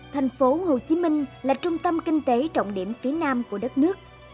thành phố hồ chí minh là trung tâm kinh tế trọng điểm phía nam của đất nước